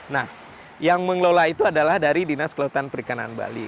nah yang mengelola itu adalah dari dinas kelautan perikanan bali